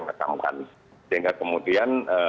sehingga kemudian pemerintah daerah dalam hal ini sudah memaksa